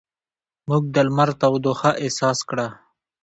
موږ د لمر تودوخه احساس کړه.